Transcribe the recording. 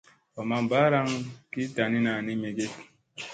Va ma mbaaraŋ ki tanina ni mige.